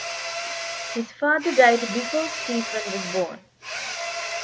His father died before Stephen was born.